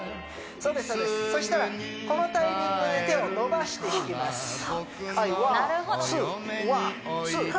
そうですそしたらこのタイミングで手を伸ばしていきますはい１２１２